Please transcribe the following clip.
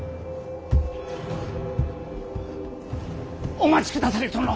お待ちくだされ殿！